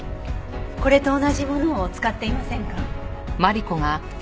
これと同じものを使っていませんか？